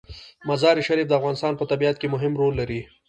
مزارشریف د افغانستان په طبیعت کې مهم رول لري.